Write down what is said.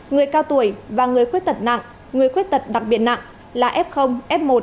người cao tuổi và người khuyết tật nặng người khuyết tật đặc biệt nặng là f f một